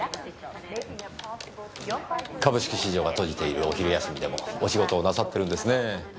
株式市場が閉じているお昼休みでもお仕事をなさってるんですねぇ。